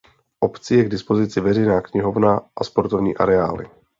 V obci je k dispozici veřejná knihovna a sportovní areály.